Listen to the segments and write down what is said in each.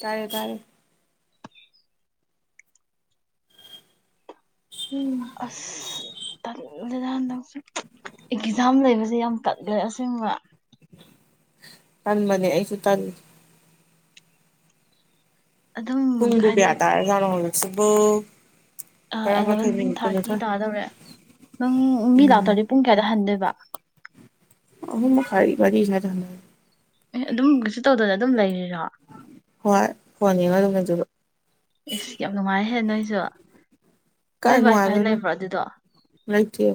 ꯇꯥꯔꯦ ꯇꯥꯔꯦ ꯑꯁ ꯇꯜ ꯍꯟꯗꯛ ꯑꯦꯛꯖꯥꯝ ꯂꯩꯕꯁꯦ ꯌꯥꯝ ꯇꯜꯂ‌ꯦ ꯑꯁꯦꯡꯕ ꯇꯟꯕꯅꯦ ꯑꯩꯁꯨ ꯇꯜꯂꯤ ꯑꯗꯨꯝ ꯄꯨꯡꯕꯨ ꯍꯥꯏꯗꯤ ꯀꯌꯥ ꯇꯥꯔꯖꯥꯠꯅ‌ꯣ ꯍꯧ ꯁꯤꯕꯣ ꯑꯦꯂꯚꯦꯟ ꯊꯥꯔꯇꯤ ꯇꯥꯗꯧꯔꯦ ꯅꯪ ꯃꯤ ꯎꯝ ꯂꯥꯛꯇ꯭ꯔꯗꯤ ꯄꯨꯡ ꯀꯌꯥꯗ ꯍꯟꯗꯣꯏꯕ ꯐꯔꯤ ꯋꯥꯔꯤ ꯑꯦ ꯑꯗꯨꯝ ꯀꯩꯁꯨ ꯇꯧꯗꯅ ꯑꯗꯨꯝ ꯂꯩꯔꯦ ꯔ‌ꯣ ꯍꯣꯏ ꯐꯣꯟ ꯌꯦꯡꯉ ꯑꯗꯨꯝ ꯂꯩꯖꯕ ꯏꯁ ꯌꯥꯝ ꯅꯨꯡꯉꯥꯏꯍꯦ ꯅꯣꯏꯁꯨ ꯅꯣꯏ ꯀꯥꯏ ꯋꯥꯏ ꯐꯥꯏ ꯅꯨꯡꯉꯥꯏꯕꯅꯣ ꯂꯩꯕ꯭ꯔꯣ ꯑꯗꯨꯗꯣ ꯂꯩꯇꯦ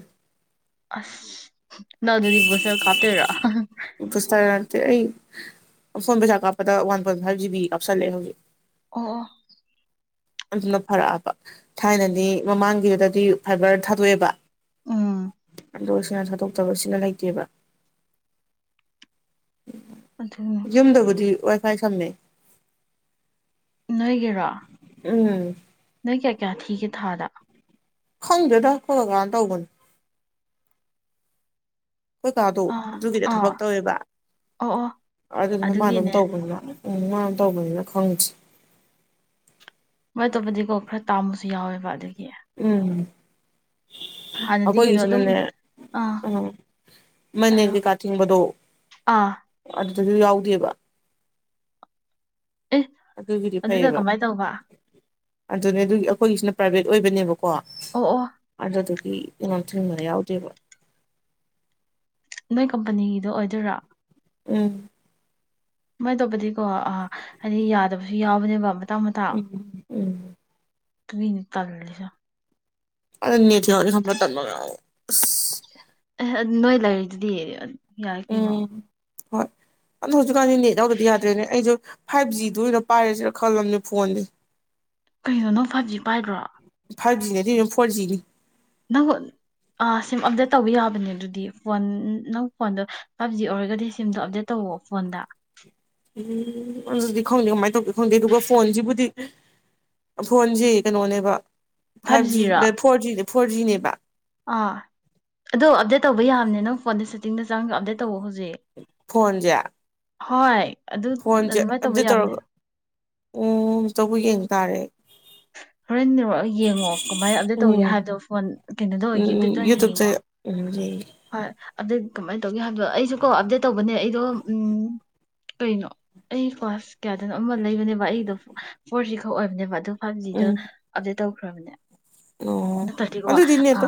ꯑꯁ ꯅꯪ ꯑꯗꯨꯗꯤ ꯕꯨꯁꯇꯔ ꯀꯥꯞꯇ‌ꯣꯏꯔ‌ꯣ ꯕꯨꯁꯇꯔ ꯅꯠꯇ‌ꯣ ꯑꯩ ꯐꯣꯟ ꯄꯩꯁꯥ ꯀꯥꯞꯄꯗ ꯋꯥꯟ ꯄꯣꯏꯟ ꯐꯥꯏꯚ ꯖꯤꯕꯤ ꯀꯥꯞꯁꯤꯜꯂ‌ꯦ ꯍꯧꯖꯤꯛ ꯑꯣ ꯑꯣ ꯌꯥꯝ ꯑꯗꯨꯅ ꯐꯔꯛꯑꯕ ꯊꯥꯏꯅꯗꯤ ꯃꯃꯥꯡꯒꯤꯗꯨꯗꯗꯤ ꯐꯥꯏꯕꯔ ꯊꯥꯗꯣꯛꯑꯦꯕ ꯎꯝ ꯗꯣꯁꯤꯅ ꯊꯥꯗꯣꯛꯇꯕꯁꯤꯅ ꯂꯩꯇꯦꯕ ꯑꯗꯨꯅꯦ ꯌꯨꯝꯗꯕꯨꯗꯤ ꯋꯥꯏ ꯐꯥꯏ ꯁꯝꯃ‌ꯦ ꯅ‌ꯣꯏꯒꯤꯔ‌ꯣ ꯎꯝ ꯅꯪ ꯀꯌꯥ ꯀꯌꯥ ꯊꯤꯒ‌ꯦ ꯊꯥꯗ ꯈꯪꯗ‌ꯦꯗꯥ ꯈ‌ꯣꯏ ꯀꯥꯀꯥꯅ ꯇꯧꯕꯅꯤ ꯀꯣꯏꯀꯥꯗꯣ ꯑꯥ ꯑꯗꯨꯒꯤꯗ ꯑꯥ ꯊꯕꯛ ꯇꯧꯋꯦꯕ ꯑꯣ ꯑꯣ ꯑꯗꯨꯗꯨꯅ ꯃꯥ ꯑꯗꯨꯝ ꯑꯗꯨꯒꯤꯅꯦ ꯇꯧꯕꯅꯤꯅ ꯎꯝ ꯃꯥ ꯇꯧꯕꯅꯤꯅ ꯈꯪꯁꯤꯦ ꯃꯣꯏ ꯇꯕꯨꯗꯤ ꯀꯣ ꯈꯔ ꯇꯥꯃꯨ ꯨ ꯌꯥꯎꯋꯦꯕ ꯑꯗꯨꯒꯤ ꯎꯝ ꯍꯥꯟꯅꯗꯤ ꯀꯩꯅꯣ ꯑꯗꯨꯝ ꯑꯩꯈꯣꯏꯒꯤꯁꯤꯅꯅꯦ ꯑꯥ ꯑ ꯍꯥꯏꯌꯣ ꯃꯅꯦꯦꯟ ꯀꯩꯀꯥ ꯊꯤꯡꯕꯗꯣ ꯑꯥ ꯑꯗꯨꯁꯨ ꯌꯥꯎꯗꯦꯕ ꯑꯦ ꯑꯗꯨꯒꯤꯗꯤ ꯑꯗꯨꯗ ꯐꯩꯌꯦꯕ ꯀꯃꯥꯏꯅ ꯇꯧꯕ ꯑꯗꯨꯅꯦ ꯑꯗꯨꯒꯤ ꯑꯩꯈꯣꯏꯒꯤꯁꯤꯅ ꯄ꯭ꯔꯥꯏꯚꯦꯠ ꯑꯣꯏꯕꯅꯦꯕꯀꯣ ꯀꯣ ꯑꯣ ꯑꯣ ꯑꯗꯨꯗꯤ ꯀ ꯊ ꯃꯔꯦꯎꯗꯕ ꯅꯣꯏ ꯀꯝꯄꯅꯤꯒꯤꯗꯣ ꯑꯣꯏꯗꯣꯏꯔꯥ ꯎꯝ ꯁꯨꯃꯥꯏꯅ ꯇꯧꯕꯗꯤꯀꯣ ꯑ ꯍꯥꯏꯗꯤ ꯌꯥꯗꯕꯁꯨ ꯌꯥꯎꯕꯅꯦꯕ ꯎꯝ ꯎꯝ ꯇꯅꯤ ꯇꯜ ꯂꯩꯁ ꯑ ꯊꯃꯉ ꯑꯦ ꯑꯗꯨ ꯅꯣꯏ ꯂꯥꯏꯔꯤꯛꯗꯨꯗꯤ ꯌꯥꯏ ꯀꯩꯅꯣ ꯎꯝ ꯍꯣꯏ ꯑꯗꯣ ꯍꯧꯖꯤꯛꯀꯥꯟꯗꯤ ꯅꯦꯠ ꯌꯥꯎꯗꯗꯤ ꯌꯥꯗ꯭ꯔꯦꯅꯦ ꯑꯩꯁꯨ ꯐꯥꯏꯚ ꯖꯤꯗꯨ ꯑꯣꯏꯅ ꯄꯥꯏꯔꯁꯤꯔꯥ ꯈꯜꯂꯝꯕꯅꯦ ꯐꯣꯟꯗꯤꯦ ꯀꯩꯅꯣꯅꯣ ꯐꯥꯏꯚꯖꯤ ꯄꯥꯏꯕ꯭ꯔꯣ ꯐꯣꯔꯖꯤꯒꯤ ꯅꯪ ꯁꯤꯝ ꯑꯞꯗꯦꯠ ꯇꯧꯕ ꯌꯥꯕꯅꯦ ꯑꯗꯨꯗꯤ ꯐꯣꯟ ꯅꯪ ꯐꯣꯟꯗꯣ ꯐꯥꯏꯚ ꯖꯤ ꯑꯣꯏꯔꯒꯗꯤ ꯁꯤꯝꯗꯣ ꯑꯞꯗꯦꯠ ꯇꯧꯋꯑꯣ ꯐꯣꯟꯗ ꯎꯝ ꯑꯗꯨꯗꯤ ꯈꯪꯗꯦ ꯀꯃꯥꯏꯅ ꯇꯧꯒꯦ ꯈꯪꯗꯦ ꯑꯗꯨꯒ ꯐꯣꯟꯁꯤꯕꯨꯗꯤ ꯐꯣꯟꯁꯤ ꯀꯩꯅꯣꯅꯦꯕ ꯐꯥꯏꯚ ꯖꯤ ꯐꯣꯔꯖꯤ ꯐꯣꯔꯖꯤꯅꯦꯕ ꯑꯥ ꯑꯗꯣ ꯑꯞꯗꯦꯠ ꯇꯧꯕ ꯌꯥꯕꯅꯦ ꯅꯪ ꯐꯣꯟꯗ ꯆ ꯗ ꯆꯥꯡ ꯑꯗꯨꯗ ꯇ ꯍꯣ ꯐꯣꯟꯁꯦ ꯍꯣꯏ ꯑꯗꯨ ꯐꯣꯟꯁꯦ ꯑꯗꯨꯃꯥꯏꯅ ꯇꯧꯕ ꯑꯝꯇ ꯌꯥꯕꯅꯦ ꯇꯧꯔꯒ ꯎꯝ ꯑ ꯇꯧꯕ ꯌꯦꯡ ꯇꯥꯔꯦ ꯍꯣꯔꯦꯟꯔ ꯌꯦꯡꯉꯣ ꯀꯃꯥꯏꯅ ꯑꯞꯗꯦꯠ ꯇꯧꯒꯦ ꯎꯝ ꯍꯥꯏꯕꯗꯣ ꯐꯣꯟ ꯀꯩꯅꯣꯗ ꯎꯝ ꯑꯣꯏꯒꯦ ꯎꯝ ꯇꯇꯔ ꯑꯣꯏꯅ ꯌꯦꯡꯉꯣ ꯌꯨꯇꯨꯕꯇ ꯎꯝ ꯌꯦꯡꯒꯦ ꯍꯣꯏ ꯑꯗꯩ ꯀꯃꯥꯏꯅ ꯇꯧꯒꯦ ꯍꯥꯏꯕꯗꯣ ꯑꯩꯁꯨ ꯀꯣ ꯑꯞꯗꯦꯠ ꯇꯧꯕꯅꯦ ꯑꯩꯗꯣ ꯀꯩꯅꯣ ꯑꯩ ꯀ꯭ꯂꯥꯁ ꯀꯌꯥꯗꯅꯣ ꯑꯃ ꯂꯩꯕꯅꯦꯕ ꯑꯩꯗꯣ ꯐꯣꯔꯁꯤ ꯈꯛ ꯑꯣꯏꯕꯅꯦꯕ ꯑꯗꯣ ꯍꯥꯟꯖꯤꯗ ꯎꯝ ꯑꯗ ꯇꯧ ꯈꯈ꯭ꯔꯕꯅꯦ ꯑꯣ ꯑꯗꯨꯗꯤ ꯅꯦꯠꯇꯣ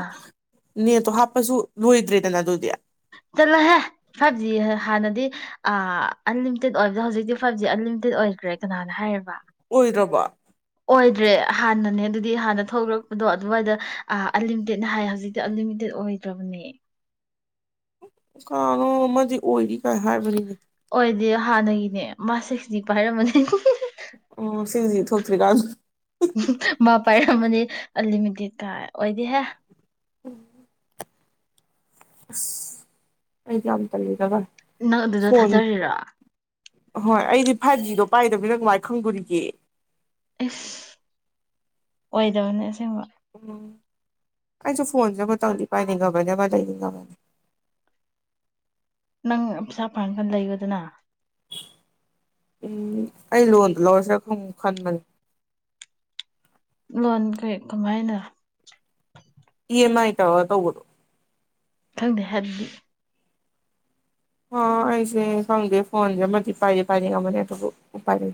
ꯅꯦꯠꯇꯣ ꯍꯥꯞꯄꯁꯨ ꯍꯨꯣꯏꯗ꯭ꯔꯦ ꯅ ꯑꯗꯨꯗꯌꯥ ꯆꯂ ꯍꯦ ꯐꯕꯖꯤ ꯍꯥꯟꯅ ꯍꯥꯏꯗꯤ ꯑꯟꯂꯤꯃꯤꯇꯦꯠ ꯑꯣꯏꯕꯗꯣ ꯍꯧꯖꯤꯛꯇꯤ ꯐꯥꯏꯚ ꯖꯤ ꯑꯟꯂꯤꯃꯤꯇꯦꯠ ꯑꯣꯏꯈ꯭ꯔꯦ ꯀꯅꯥꯅ ꯍꯥꯏꯔꯤꯕ ꯑꯣꯏꯗꯔꯕ ꯑꯣꯏꯗ꯭ꯔꯦ ꯍꯥꯟꯅꯅꯦ ꯑꯗꯨꯗꯤ ꯍꯥꯟꯅ ꯊꯣꯛꯂꯛꯄꯗꯣ ꯑꯗꯨꯋꯥꯏꯗ ꯑꯟꯂꯤꯃꯤꯇꯦꯠꯅ ꯍꯥꯏ ꯍꯧꯖꯤꯛꯇꯤ ꯑꯟꯂꯤꯃꯤꯇꯦꯠ ꯑꯣꯏꯗ꯭ꯔꯕꯅꯦ ꯀꯥꯅꯣ ꯑꯃꯗꯤ ꯑꯣꯏꯔꯤ ꯀꯥꯏ ꯍꯥꯏꯕꯅꯤꯅꯦ ꯑꯩꯈꯣꯏꯗꯤ ꯍꯥꯟꯅꯒꯤꯅꯦ ꯃꯥ ꯁꯤꯛꯁꯇꯤ ꯄꯥꯏꯔꯝꯃꯅꯤ ꯎꯝ ꯁꯤꯔꯤꯖꯤ ꯁꯇ꯭ꯔꯤꯀꯥꯜ ꯄꯥꯏꯔꯝꯃꯅꯤ ꯑꯂꯤꯃꯗꯤ ꯀꯥꯏ ꯑꯣꯏꯗꯤꯍꯦ ꯎꯝ ꯑꯩ ꯌꯥꯝꯝ ꯇ ꯂꯩꯒꯕ ꯅꯪ ꯑꯗꯨꯗ ꯊꯥꯖꯔꯤꯔ ꯍꯣꯏ ꯑꯩꯗꯤ ꯐꯥꯏꯚ ꯖꯤꯗꯣ ꯄꯥꯏꯗꯕꯤꯅ ꯉꯥꯏ ꯈꯪꯗꯣꯔꯤꯒꯦ ꯑꯦꯁ ꯑꯣꯏꯗꯕꯅꯦ ꯑꯁꯦꯡꯕ ꯎꯝ ꯑꯩꯁꯨ ꯐꯣꯟꯁꯦ ꯃꯇꯝꯗꯤ ꯄꯥꯏꯅꯤꯡꯉꯕꯅꯦꯕ ꯂꯩ ꯅꯤꯡꯉꯕꯅꯤ ꯅꯪ ꯄꯩꯁꯥ ꯄꯥꯡꯒꯥꯟ ꯂꯩꯕꯗꯅ ꯎꯝ ꯑꯩ ꯂꯣꯟꯗ ꯂꯧꯔꯁꯤ ꯈꯟꯕꯅꯤ ꯂꯣꯟ ꯀꯩ ꯀꯃꯥꯏꯅ ꯥꯏ ꯇ ꯇꯧꯕꯣ ꯈꯪꯗꯦ ꯍꯥꯏꯗꯤ ꯍ ꯑꯩꯁꯦ ꯐꯪꯗꯦ ꯐꯣꯟ ꯃꯗꯤ ꯄꯥꯏꯔꯤꯦ ꯄꯥꯏꯔ ꯉꯃꯅꯦ ꯎ ꯄꯥꯏꯔ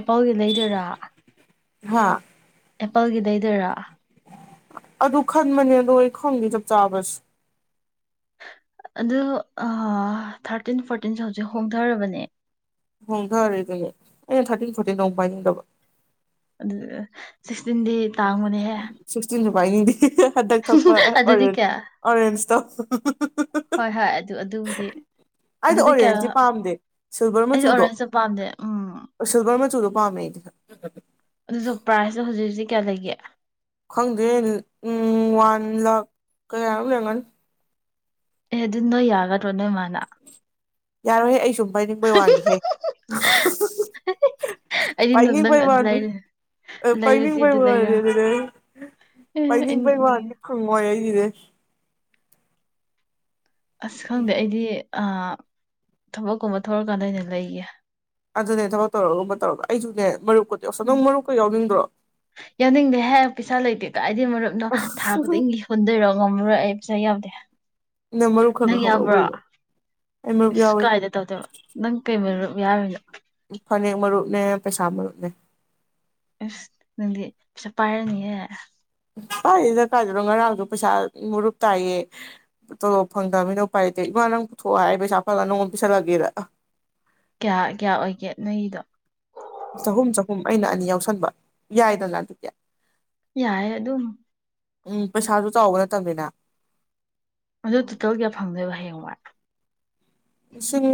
ꯏ ꯄꯥꯎꯒꯤ ꯂꯩꯗꯣꯏꯔꯥ ꯍꯥ ꯑꯦꯄꯜꯒꯤꯗꯗꯣꯏꯔꯥ ꯑꯗꯨ ꯈꯟꯕꯅꯦ ꯑꯗꯣ ꯑꯩ ꯈꯪꯉꯦ ꯆꯞ ꯆꯥꯕꯁ ꯑꯗꯨ ꯊꯥꯔꯇꯤꯟ ꯐꯣꯔꯇꯤꯟꯁꯦ ꯍꯧꯖꯤꯛ ꯍꯣꯡꯊꯔꯕꯅꯦ ꯍꯣꯡꯊꯔꯦ ꯑꯗꯨꯅꯦ ꯑꯩꯅ ꯊꯥꯔꯇꯤꯟ ꯐꯣꯔꯇꯤꯟ ꯅꯣꯡ ꯄꯥꯏꯅꯤꯡꯗꯕ ꯑꯗꯨ ꯆꯤꯟꯗꯤ ꯇꯥꯡꯕꯅꯦꯍꯦ ꯃꯗꯤ ꯍꯟꯗꯛ ꯊꯛꯄ ꯑꯗꯨꯗꯤ ꯑꯣꯔꯦꯟ ꯀꯌꯥ ꯑꯣꯔꯦꯟꯖꯇꯣ ꯍꯣꯏ ꯍꯣꯏ ꯑꯗꯨ ꯑꯗꯨꯕꯨꯗꯤ ꯑꯩꯗꯤ ꯑꯗꯨꯗꯤ ꯀꯌꯥ ꯑꯣꯔꯦꯟꯖꯇꯤ ꯄꯥꯝꯗꯦ ꯁꯤꯜꯚꯔ ꯑꯩꯗꯤ ꯃꯆꯨꯗꯣ ꯑꯣꯔꯦꯟꯖꯇꯣ ꯄꯥꯝꯗꯦ ꯎꯝ ꯁꯤꯜꯚꯔ ꯃꯆꯨꯗꯣ ꯋꯥ ꯃꯗꯨ ꯑꯗꯨꯖꯣꯄꯔꯁꯦ ꯍꯧꯖꯤꯛ ꯍꯧꯖꯤꯛ ꯀꯌꯥ ꯂꯩꯦ ꯈꯪꯗꯦ ꯋꯥꯟ ꯂꯈ ꯀꯌꯥꯔꯨꯛ ꯌꯥꯡꯒꯅꯤ ꯑꯦ ꯑꯗꯨꯗꯣ ꯌꯥꯒꯗ꯭ꯔꯣ ꯅ ꯃꯥꯂ ꯌꯥꯔꯣꯏꯍꯦ ꯑꯩ ꯁꯨꯝ ꯄꯥꯏꯅꯤꯡꯕꯩ ꯋꯥꯅꯤꯍꯦ ꯑꯩꯗꯤ ꯅ- ꯅꯪ ꯄꯥꯏꯅꯤꯡꯕꯩ ꯑꯗꯨ ꯋꯥꯅꯤ ꯂꯩꯔꯦ ꯂꯩꯔꯗꯤ ꯄꯥꯏꯅꯤꯡꯕꯣꯏ ꯑꯗꯨ ꯋꯥꯅꯤ ꯂꯩꯔ ꯑꯗꯨꯗꯩ ꯑꯩ ꯑꯦ ꯑꯩ ꯄꯥꯏꯅꯤꯡꯕꯩ ꯋꯥꯅꯤ ꯅꯣꯛꯅꯤꯡꯉꯦ ꯈꯪꯉꯣꯏ ꯑꯩ ꯦ [unintelligible] ꯑꯁ ꯈꯪꯗꯦ ꯑꯩꯗꯤ ꯑ ꯊꯕꯛꯀꯨꯝꯕ ꯊꯣꯛꯂꯀꯥꯟꯗ ꯑꯩꯅ ꯂꯩꯌꯦꯦ ꯑꯗꯨꯅꯦ ꯊꯕꯛ ꯇꯧꯔꯒꯨꯝꯕ ꯇꯧꯔꯒ ꯑꯩꯁꯨꯅꯦ ꯃꯔꯨꯞ ꯎꯝ ꯌꯥꯅꯤꯡꯗꯦ ꯍꯥꯏ ꯄꯩꯁꯥ ꯂꯩꯇꯦ ꯀꯥꯏꯗꯒꯤ ꯃꯔꯨꯞꯅꯣ ꯊꯥ ꯈꯨꯗꯤꯡꯒꯤ ꯍꯨꯟꯗꯣꯏꯔꯣ ꯉꯝꯃꯨꯔꯦꯕ ꯄꯩꯁꯥ ꯌꯥꯎꯗꯦ ꯃꯔꯨꯞ ꯈꯔ ꯅꯪ ꯈꯔ ꯍꯧꯔꯛꯎ ꯌꯥꯎꯕ꯭ꯔꯣ ꯀꯩꯅꯣ ꯑꯩ ꯃꯔꯨꯞ ꯏꯁ ꯌꯥꯎꯋꯤ ꯀꯥꯏꯗ ꯇꯧꯗꯣꯏꯕ ꯅꯪ ꯀꯩ ꯃꯔꯨꯞ ꯕꯤ ꯌꯥꯎꯔꯤꯕ ꯐꯅꯦꯛ ꯃꯔꯨꯞꯅꯦ ꯄꯩꯁꯥ ꯃꯔꯨꯞꯅꯦ ꯏꯁ ꯅꯪꯗꯤ ꯄꯩꯁꯥ ꯄꯥꯏꯔꯅꯤꯌꯦ ꯄꯥꯏꯗꯦꯗ ꯀꯥꯔꯗꯨꯗꯣ ꯉꯔꯥꯡꯁꯨ ꯄꯩꯁꯥ ꯃꯨꯔꯨꯞ ꯇꯥꯏꯌꯦ ꯇꯣꯂꯣꯞ ꯐꯪꯗꯕ ꯃꯤꯅꯧ ꯄꯥꯏꯔꯗꯦ ꯏꯃꯥ ꯅꯪ ꯄꯨꯊꯣꯛꯑꯣ ꯍꯥꯏ ꯄꯩꯁꯥ ꯐꯖꯂ ꯅꯪꯉꯣꯟꯗ ꯄꯤꯁꯜꯂꯒꯦꯗ ꯀꯌꯥ ꯀꯌꯥ ꯑꯣꯏꯒꯦ ꯅꯣꯏꯒꯤꯗꯣ ꯆꯍꯨꯝ ꯆꯍꯨꯝ ꯑꯩꯅ ꯑꯅꯤ ꯌꯥꯎꯁꯟꯕ ꯌꯥꯏꯗꯅ ꯑꯗꯨꯗꯤ ꯌꯥꯏꯌꯦ ꯑꯗꯨꯝ ꯎꯝ ꯄꯩꯁꯥꯁꯨ ꯆꯥꯎꯕ ꯅꯠꯇꯝꯅꯤꯅ ꯑꯗꯨ ꯇꯣꯇꯦꯜ ꯀꯌꯥ ꯐꯪꯗꯣꯏꯕ ꯍꯥꯌꯦꯡ ꯋꯥꯏ ꯂꯤꯁꯤꯡ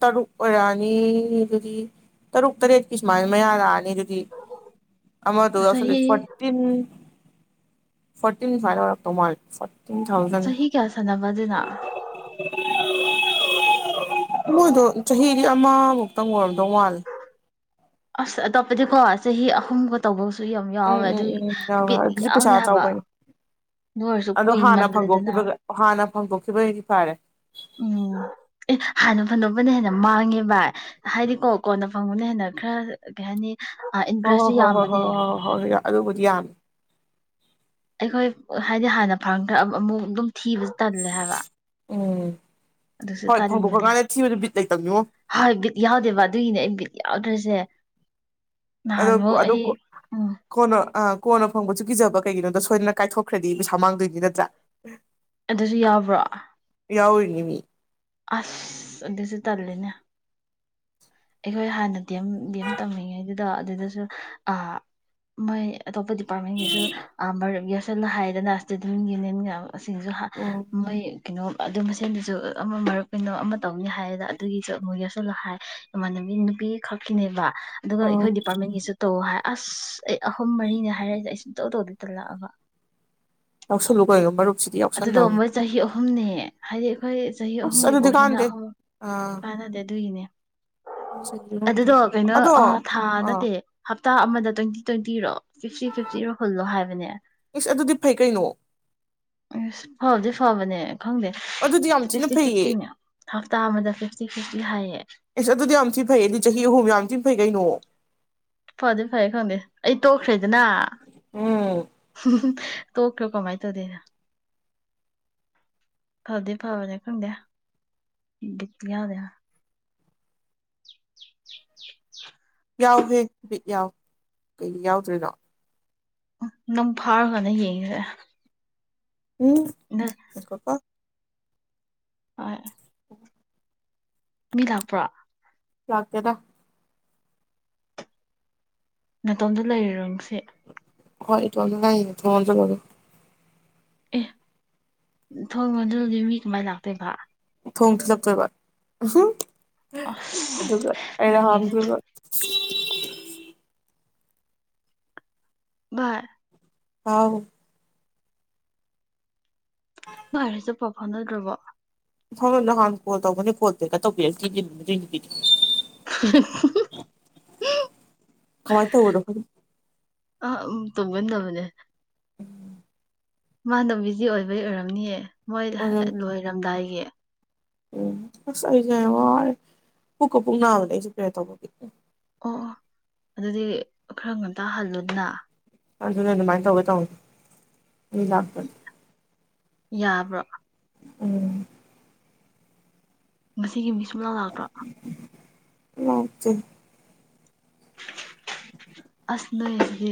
ꯇꯔꯨꯛ ꯑꯣꯏꯔꯛꯑꯅꯤ ꯑꯗꯨꯗꯤ ꯇꯔꯨꯛ ꯇꯔꯦꯠꯀꯤ ꯁꯨꯃꯥꯏꯅ ꯃꯌꯥ ꯂꯛꯑꯅꯤ ꯑꯗꯨꯗꯤ ꯑꯃꯗꯨꯒ ꯆꯍꯤ ꯌꯥꯎꯁꯜꯂꯗꯤ ꯐꯣꯔꯇꯤꯟ ꯐꯣꯔꯇꯤꯟ ꯁꯨꯃꯥꯏ ꯑꯣꯏꯔꯛꯇꯧ ꯃꯜꯂꯤ ꯐꯣꯔ ꯆꯍꯤ ꯀꯌꯥ ꯁꯅꯕ ꯑꯗꯨꯅ [inaudible] ꯃꯣꯏꯗꯣ ꯆꯍꯤꯗꯤ ꯑꯃꯃꯨꯛꯇꯪ ꯑꯣꯏꯔꯝꯗꯧ ꯃꯥꯜꯂꯦ ꯑꯁ ꯑꯇꯣꯞꯄꯗꯤꯀꯣ ꯆꯍꯤ ꯑꯍꯨꯝꯒ ꯇꯧꯕꯁꯨ ꯌꯥꯝ ꯎꯝ ꯌꯥꯎꯋꯦ ꯎꯝ ꯑꯗꯨꯒꯤ ꯎꯝ ꯌꯥꯎꯋꯦ ꯕꯤꯠ ꯑꯗꯨꯖꯤ ꯌꯥꯎꯗꯦ ꯄꯩꯁꯥ ꯍꯥꯏꯕ ꯆꯥꯎꯕꯩꯅꯦ ꯑꯗꯨ ꯑꯣꯏꯔꯁꯨ ꯑꯗꯣ ꯍꯥꯟꯅ ꯀꯨꯏꯃꯜꯂꯦꯗꯅ ꯐꯪꯗꯣꯛꯈꯤꯕꯒ ꯍꯥꯟꯅ ꯐꯪꯗꯣꯛꯈꯤꯕꯩꯗꯤ ꯐꯥꯔꯦ ꯎꯝ ꯍꯣꯏ ꯍꯣꯏ ꯏꯟꯇꯔꯦꯁꯁꯨ ꯍꯣꯏ ꯍꯣꯏ ꯌꯥꯝꯕꯅꯦ ꯍꯣꯏ ꯍꯣꯏ ꯍꯣꯏꯕ ꯑꯗꯨꯕꯨꯗꯤ ꯌꯥꯝꯃꯤ ꯑꯩꯈꯣꯏ ꯍꯥꯏꯗꯤ ꯍꯥꯟꯅ ꯐꯪꯈ꯭ꯔꯥ ꯑꯃꯨꯛ ꯑꯃꯨꯛ ꯑꯗꯨꯝ ꯊꯤꯕꯁꯦ ꯇꯜꯂꯦ ꯍꯥꯏꯕ ꯎꯝ ꯑꯗꯨꯁꯨ ꯍꯣꯏ ꯐꯪꯗꯣꯛꯈ꯭ꯔ ꯇꯟꯕꯅꯦ ꯀꯥꯟꯗ ꯊꯤꯕꯗ ꯕꯤꯠ ꯂꯩꯇꯕꯅꯤꯉꯣ ꯍꯣꯏ ꯕꯤꯠ ꯌꯥꯎꯗꯦꯕ ꯑꯗꯨꯒꯤꯅꯦ ꯑꯩꯅ ꯕꯤꯠ ꯌꯥꯎꯗ꯭ꯔꯤꯖꯦ ꯑꯗꯨꯀꯣ ꯑꯗꯨꯀꯣ ꯀꯣꯟꯅ ꯑꯥ ꯀꯣꯟꯅ ꯐꯪꯕꯁꯨꯨ ꯀꯤꯖꯕ ꯀꯩꯒꯤꯅꯣꯗ ꯁꯣꯏꯗꯅ ꯀꯥꯏꯊꯣꯛꯈ꯭ꯔꯗꯤ ꯄꯩꯁꯥ ꯃꯥꯡꯗꯣꯏꯅꯤ ꯅꯠꯇ꯭ꯔꯥ ꯑꯗꯨꯁꯨ ꯌꯥꯕ꯭ꯔꯣ ꯌꯥꯎꯋꯤꯅꯦ ꯃꯤ ꯑꯁ ꯑꯗꯨꯁꯨ ꯇꯜꯂꯦ ꯑꯇꯣꯞꯄ ꯗꯤꯄꯥꯔ꯭ꯠꯃꯦꯟꯇꯀꯤꯁꯨ ꯑꯥ ꯃꯔꯨꯞ ꯌꯦꯁ ꯁꯟꯅ ꯍꯥꯏꯌꯦꯗꯅ ꯁ꯭ꯇꯨꯗꯤꯟꯇ ꯌꯨꯅꯤꯌꯟꯒ ꯁꯤꯡꯖꯨꯍꯥ ꯎꯝ ꯃꯣꯏ ꯀꯩꯅꯣ ꯑꯗꯨ ꯃꯁꯦꯟꯗꯨꯁꯨ ꯑꯃ ꯃꯔꯨꯞ ꯀꯩꯅꯣ ꯑꯃ ꯇꯧꯅꯤ ꯍꯥꯏꯕꯗ ꯑꯗꯨꯒꯤꯁꯨ ꯃꯣꯏꯒꯁꯨ ꯅꯍꯥꯏ ꯏꯃꯥꯟꯅꯕꯤ ꯅꯨꯄꯤ ꯈꯛꯀꯤꯅꯦꯕ ꯑꯗꯨꯒ ꯎꯝ ꯑꯩꯈꯣꯏ ꯗꯤꯄꯥꯔꯠꯃꯦꯟꯇꯒꯤꯁꯨ ꯇꯧꯋꯣ ꯍꯥꯏ ꯑꯁ ꯑꯩ ꯑꯍꯨꯝ ꯃꯔꯤꯅꯦ ꯍꯥꯏꯔꯛ ꯏꯁꯦ ꯑꯩ ꯁꯨꯡꯇꯧ ꯇꯧꯗꯦ ꯇꯜꯂꯛꯑꯕ ꯌꯥꯎ ꯁꯜꯂꯨ ꯀꯩꯅꯣ ꯃꯔꯨꯞ ꯑꯗꯨꯗꯣ ꯃꯣꯏ ꯆꯍꯤ ꯑꯍꯨꯝꯅꯦ ꯍꯥꯏ ꯑꯩꯈꯣꯏ ꯆꯍꯤ ꯑꯁ ꯑꯍꯨꯝꯒꯤ ꯑꯗꯨꯗꯤ ꯀꯣꯔꯁꯤꯅ ꯀꯥꯟꯗꯦ ꯑꯍꯨꯝ ꯑꯥ ꯀꯥꯟꯅꯗꯦ ꯑꯗꯨꯒꯤꯅꯦ ꯑꯗꯨꯗꯣ ꯀꯩꯅꯣ ꯑꯗꯣ ꯊꯥ ꯑꯥ ꯅꯠꯇꯦ ꯍꯇꯥ ꯑꯃꯗ ꯇ꯭ꯋꯦꯟꯇꯤ ꯇ꯭ꯋꯦꯟꯇꯤꯔꯣ ꯐꯤꯐꯇꯤ ꯐꯤꯐꯇꯤꯔꯣ ꯍꯨꯜꯂꯣ ꯍꯥꯏꯕꯅꯦ ꯏꯁ ꯑꯗꯨꯗꯤ ꯐꯩ ꯀꯩꯅꯣ ꯑꯁ ꯐꯕꯗꯤ ꯐꯕꯅꯦ ꯈꯪꯗꯦ ꯑꯗꯨꯗꯤ ꯌꯥꯝ ꯊꯤꯅ ꯐꯤꯐꯇꯤ ꯐꯩꯌꯦ ꯐꯤꯐꯇꯤꯅꯦ ꯍꯞꯇꯥ ꯑꯃꯗ ꯐꯤꯐꯇꯤ ꯐꯤꯐꯇꯤ ꯍꯥꯏꯌꯦ ꯀ ꯅꯣꯡ ꯐꯥꯗꯦ ꯐꯥꯌꯦꯦ ꯈꯪꯦ ꯑꯩ ꯇꯣ ꯈꯔꯩ ꯅ ꯎꯝ ꯇꯧ ꯀꯣ ꯀꯃꯥꯏ ꯇꯧꯗꯅ ꯐꯗ ꯐꯕꯅꯦ ꯈꯪꯗꯦ ꯌꯥꯗ [inaudible] ꯌꯥꯎꯍꯦ ꯕꯤꯠ ꯌꯥꯎ ꯀꯩ ꯌꯥꯎꯗ꯭ꯣꯏꯔꯤꯅꯣ ꯅꯪ ꯐꯥꯔꯒꯅ ꯌꯦꯡꯉꯁꯦ ꯎꯝ ꯍꯀꯣ ꯀꯣ ꯍ ꯃꯤ ꯂꯥꯛꯄ꯭ꯔꯣ ꯌꯥꯀꯦꯗ ꯅꯇꯣꯝꯗ ꯂꯩꯔꯔꯁꯤ ꯍꯣꯏ ꯇ ꯊ ꯃꯗ ꯑꯦ ꯊꯣꯡ ꯃꯗꯨꯗꯤ ꯃꯤ ꯀꯃꯥꯏꯅ ꯂꯥꯛꯇꯣꯏꯕ ꯊꯣꯡ ꯊꯂꯛꯄꯣꯏꯕ ꯎ ꯑꯗꯨꯒ ꯑꯁ ꯑꯩꯅ ꯅꯪꯒꯤꯁꯤꯗꯤ ꯍꯥꯝꯈꯤꯕ ꯚꯔ ꯑꯥꯎ ꯥꯏꯔꯁꯨ ꯄꯐꯅꯗ꯭ꯔꯕ ꯍ ꯅꯍꯥꯟ ꯀꯣꯜ ꯇꯧꯒꯅꯦ ꯈꯣꯠꯄꯦꯒ ꯇꯧꯕꯤꯦ ꯀꯃꯥꯏ ꯇ ꯑꯣꯗ ꯑ ꯇꯣꯡꯉꯗꯕꯅꯦꯦ ꯎꯝ ꯃꯥꯅꯣ ꯕꯤꯖꯤ ꯑꯣꯏꯕꯩ ꯑꯣꯏꯔꯝꯅꯤꯌꯦ ꯃꯣꯏ ꯑꯗꯨꯝ ꯂꯣꯏꯔꯝꯗꯥꯏꯒꯤ ꯎꯝ ꯑꯁ ꯑꯩꯁꯦ ꯋꯥꯔꯦ ꯄꯨꯀ ꯄꯨꯡ ꯅꯥꯕꯗ ꯑꯩꯁꯨꯦ ꯄ꯭ꯔꯦꯌꯔ ꯇꯧꯕꯒꯤ ꯑꯣ ꯑꯗꯨꯗꯤ ꯈꯔ ꯉꯝꯇ ꯍꯜꯂꯨꯗꯅ ꯑꯗꯨꯅꯦ ꯑꯗꯨꯃꯥꯏꯅ ꯇꯧꯒꯦ ꯇꯧꯕ ꯏꯂꯥꯄꯨꯔ ꯌꯥꯕ꯭ꯔꯣ ꯎꯝ ꯃꯁꯤꯒꯤ ꯃꯤꯁ ꯂ ꯂꯥꯛꯇ꯭ꯔ ꯑꯣꯆꯦ ꯑꯁ ꯅꯣꯏ ꯑꯗꯨꯗꯤ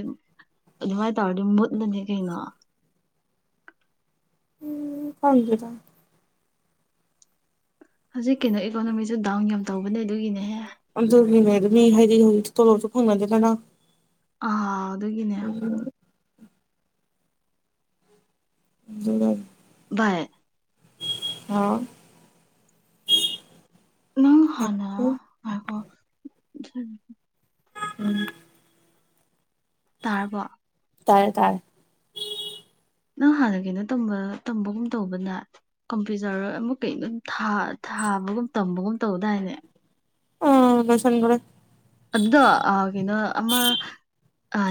ꯑꯗꯨꯃꯥꯏꯅ ꯇꯧꯔꯗꯤ ꯃꯨꯠꯂꯅꯤ ꯀꯩꯅꯣ ꯎꯝ ꯊꯖꯗ ꯍꯧꯖꯤꯛ ꯀꯩꯅꯣ ꯏꯀꯣꯅꯣꯃꯤꯁꯦ ꯗꯥꯎꯟ ꯌꯥꯝ ꯇꯧꯕꯅꯦ ꯑꯗꯨꯒꯤꯅꯦꯍꯦ ꯑꯗꯨꯒꯤꯅꯦꯃꯤ [unintelligible] ꯍꯥꯏꯗꯤ ꯍꯧꯖꯤꯛ ꯇꯣꯂꯣꯞꯁꯨ ꯐꯪꯅꯗꯦꯗꯅ ꯑ ꯑꯗꯨꯒꯤꯅꯦ ꯔꯔ [unintelligible] ꯕꯥꯏ ꯍꯥꯎ ꯅꯪ ꯍꯂ ꯍꯥꯏ [unintelligible] ꯎ ꯎꯝ ꯇꯥꯔꯕꯣ ꯇꯥꯔꯦ ꯇꯥꯔꯦ ꯅꯪ ꯍꯥꯟꯅ ꯀꯩꯅꯣ ꯇ ꯇꯝꯕꯒꯨꯝ ꯇꯧꯕꯅꯦ ꯀꯝꯄ꯭ꯌꯨꯇꯔ ꯑꯃꯨꯛ ꯀꯩꯅ ꯑꯗꯨꯝ ꯊꯥꯕꯒꯨꯝ ꯇꯝꯕꯒꯨꯝ ꯇꯧꯗꯥꯏꯅꯦ ꯑ ꯁꯟꯒꯔ ꯑꯗꯨꯗꯣ ꯀꯩꯅꯣ ꯑꯃ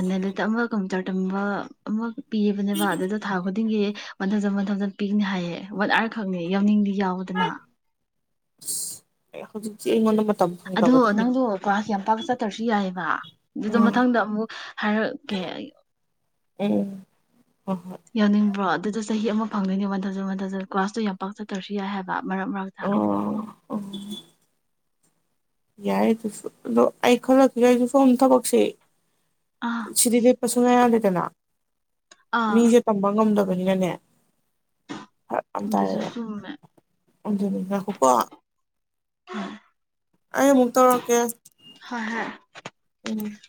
ꯅꯦꯂꯦꯠ ꯑꯃ ꯀꯝꯇꯔ ꯇꯝꯕ ꯑꯃ ꯄꯤꯑꯕꯅꯦꯕ ꯑꯗꯨꯗ ꯊꯥ ꯈꯨꯗꯤꯡꯒꯤ ꯃꯊ ꯆ ꯃꯊ ꯆꯅ ꯄꯤꯛꯅꯤ ꯍꯥꯏꯌꯦ ꯋꯥꯠ ꯑꯥꯔ ꯈꯛꯅꯤ ꯌꯥꯎꯅꯤꯡꯗꯤ ꯌꯥꯎꯗꯅ ꯍꯣꯖꯤ ꯃꯗ ꯑꯗꯣ ꯅꯪꯗꯣ ꯀꯋꯥ ꯌꯥꯝ ꯄ ꯑ ꯊꯔꯁꯤ ꯍꯥꯏꯕ ꯑꯗꯨꯗ ꯎꯝ ꯃꯊꯪꯗ ꯑꯃꯨꯛ ꯍꯥꯏꯔꯛꯀꯦ ꯎꯝ ꯍꯣꯏ ꯍꯣꯏ ꯌꯥꯎꯅꯤꯡꯕ꯭ꯔꯣ ꯑꯗꯨꯗ ꯆꯍꯤ ꯑꯃ ꯐꯪꯗꯣꯏꯅꯦ ꯃꯟꯊꯖꯟ ꯃꯟꯊꯖꯟ ꯀ꯭ꯂꯥꯁꯇꯣ ꯌꯥꯝ ꯄꯥꯛ ꯆꯠꯇ꯭ꯔꯁꯨ ꯌꯥꯏ ꯍꯥꯏꯕ ꯃꯔꯛ ꯃꯔꯛꯇ ꯑꯣ ꯌꯥꯏ ꯇꯨ ꯑꯈ ꯂ ꯀ ꯌꯥꯏ ꯇ ꯐꯣꯟꯣꯟ ꯊꯕꯛꯁꯦ ꯑꯥ ꯁꯤꯔꯤ ꯂꯩꯦ ꯄꯁꯅ ꯇꯠꯇꯅ [unintelligible] ꯑꯥ ꯃꯤꯁꯦ ꯇꯝꯕ ꯉꯝꯗꯕ ꯄꯨꯅꯦ ꯑꯗꯨꯖꯨ ꯆꯨꯝꯃꯦ ꯍꯧꯖ ꯂꯩꯖ ꯀꯀ [unintelligible] ꯎ ꯑꯩ ꯃꯨ ꯇꯧꯔꯛꯀꯦ ꯍ ꯍꯥ ꯎꯝ